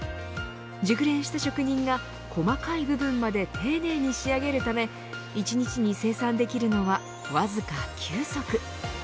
熟練した職人が細かい部分まで丁寧に仕上げるため１日に生産できるのはわずか９足。